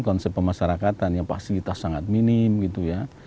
konsep pemasarakatan yang fasilitas sangat minim gitu ya